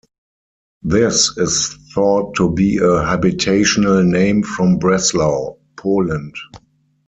This is thought to be a habitational name from Breslau, Poland.